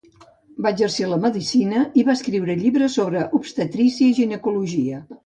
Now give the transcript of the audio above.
Va exercir la medicina i va escriure llibres sobre obstetrícia i ginecologia.